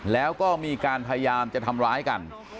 แล้วก็มีการพยายามจะทำร้ายกัน